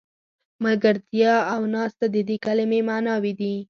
ملګرتیا او ناسته د دې کلمې معناوې دي.